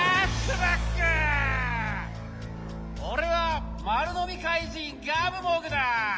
おれはまるのみかいじんガブモグだ。